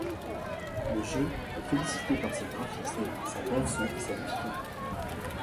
Le jeu est félicité par ses graphismes, sa bande son et sa difficulté.